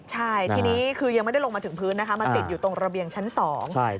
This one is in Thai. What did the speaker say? ใช่ทีนี้คือยังไม่ได้ลงมาถึงพื้นนะคะมันติดอยู่ตรงระเบียงชั้นสอง